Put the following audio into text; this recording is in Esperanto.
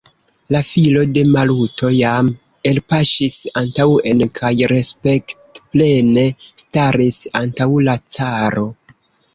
La filo de Maluto jam elpaŝis antaŭen kaj respektplene staris antaŭ la caro.